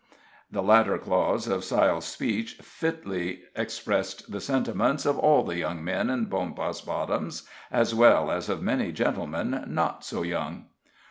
The latter clause of Syle's speech fitly expressed the sentiments of all the young men in Bonpas Bottoms, as well as of many gentlemen not so young.